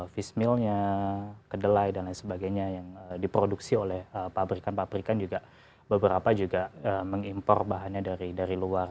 fishmillnya kedelai dan lain sebagainya yang diproduksi oleh pabrikan pabrikan juga beberapa juga mengimpor bahannya dari luar